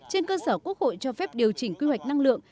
trên cơ sở quốc hội cho phép điều chỉnh quy hoạch năng lượng